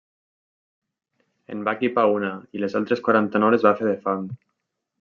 En va equipar una i les altres quaranta-nou les va fer de fang.